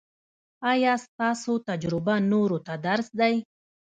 ایا ستاسو تجربه نورو ته درس دی؟